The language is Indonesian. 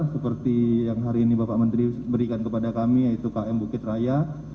seperti yang hari ini bapak menteri berikan kepada kami yaitu km bukit raya